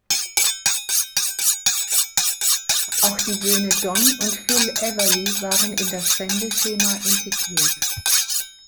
Auch die Söhne Don und Phil Everly waren in das Sendeschema integriert.